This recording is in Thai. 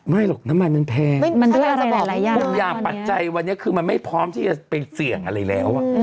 ไม่หรอกน้ำมันมันแพงมุมยาปัจจัยวันนี้คือมันไม่พร้อมที่จะเป็นเสี่ยงอะไรแล้ว